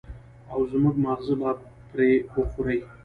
او زموږ ماغزه به پرې وخوري.